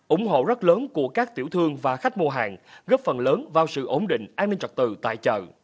ủng hộ rất lớn của các tiểu thương và khách mua hàng góp phần lớn vào sự ổn định an ninh trật tự tại chợ